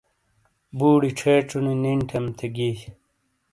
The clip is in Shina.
بوڑی ڇھیڇو نی نیݨ تھم تھے گئی۔